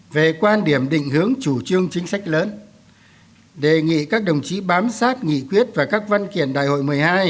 về quan điểm định hướng chủ trương chính sách lớn đề nghị các đồng chí bám sát nghị quyết và các văn kiện đại hội một mươi hai